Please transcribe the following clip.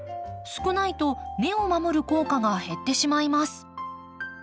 少ないと根を守る効果が減ってしまいます。